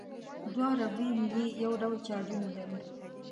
دوه ربړي میلې یو ډول چارجونه لري.